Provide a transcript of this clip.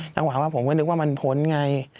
ระหว่างว่าผมก็นึกว่ามันพ้นไง